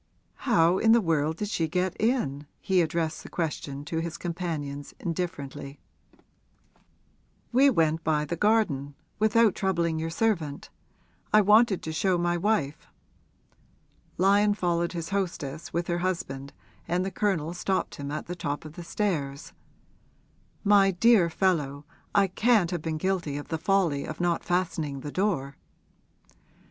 'How in the world did she get in?' He addressed the question to his companions indifferently. 'Let us go down to luncheon,' said Mrs. Capadose, passing out of the room. 'We went by the garden without troubling your servant I wanted to show my wife.' Lyon followed his hostess with her husband and the Colonel stopped him at the top of the stairs. 'My dear fellow, I can't have been guilty of the folly of not fastening the door?'